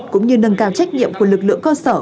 cũng như nâng cao trách nhiệm của lực lượng cơ sở